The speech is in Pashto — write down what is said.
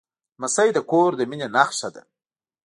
لمسی د کور د مینې نښه ده.